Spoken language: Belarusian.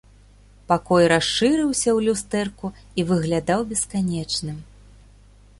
Пакой расшырыўся ў люстэрку і выглядаў бесканечным.